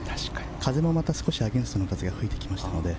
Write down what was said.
風もまた少しアゲンストの風が吹いてきましたので。